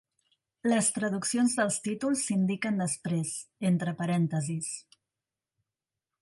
Les traduccions dels títols s'indiquen després, entre parèntesis.